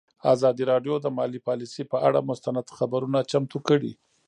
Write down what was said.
ازادي راډیو د مالي پالیسي پر اړه مستند خپرونه چمتو کړې.